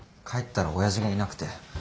帰ったら親父がいなくて。